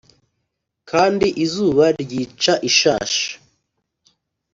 Kandi izuba ryica ishashi,